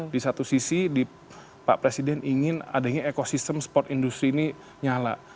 di satu sisi pak presiden ingin adanya ekosistem sport industri ini nyala